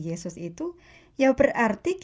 yesus itu ya berarti